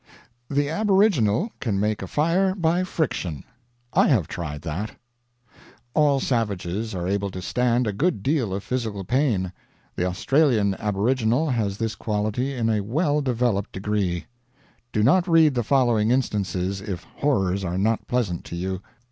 The aboriginal can make a fire by friction. I have tried that. All savages are able to stand a good deal of physical pain. The Australian aboriginal has this quality in a well developed degree. Do not read the following instances if horrors are not pleasant to you.